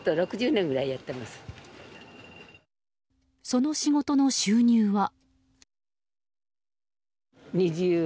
その仕事の収入は。